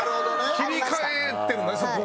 切り替えてるんだねそこは。